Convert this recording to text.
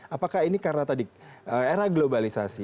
apakah ini karena tadi era globalisasi